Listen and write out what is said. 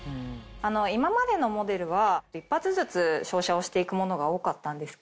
今までのモデルは一発ずつ照射をして行くものが多かったんです。